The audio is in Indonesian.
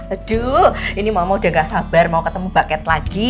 aduh ini mama udah gak sabar mau ketemu buket lagi